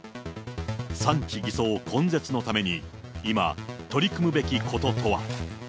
産地偽装根絶のために、今、取り組むべきこととは。